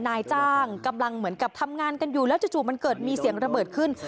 นายจ้างกำลังเหมือนกับทำงานกันอยู่แล้วจู่มันเกิดมีเสียงระเบิดขึ้น